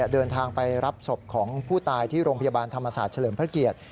เดินทางไปรับศพของผู้ตายที่โรงพยาบาลธรรมศาสตร์เฉลิมพระเกียรติ